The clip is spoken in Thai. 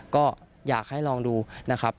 ก็อยากให้ลองดูนะครับ